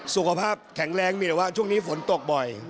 สุขภาพแข็งแรงมีแต่ว่าช่วงนี้ฝนตกบ่อย